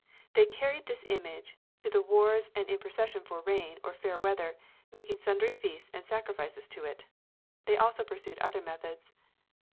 They carried this image to the wars and in procession for rain or fair weather, making sundry feasts and sacrifices to it. They also pursued other methods.